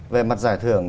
về mặt giải thưởng